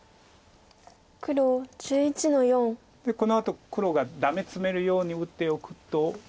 このあと黒がダメツメるように打っておくと。